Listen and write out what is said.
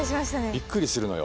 びっくりするのよ。